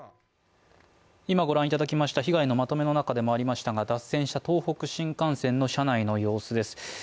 今ご覧いただきました被害のまとめの中でもありましたが脱線した東北新幹線の車内の様子です。